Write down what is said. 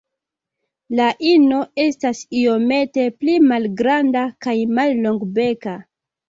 La ino estas iomete pli malgranda kaj mallongbeka.